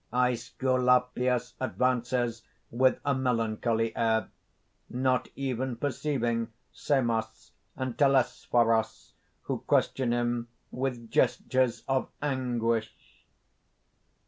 _ _Æsculapius advances with a melancholy air, not even perceiving Samos and Telesphorus, who question him with gestures of anguish.